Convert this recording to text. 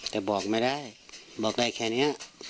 แต่บอกไม่ได้บอกได้แค่นี้